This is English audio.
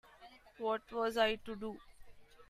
What was I to do?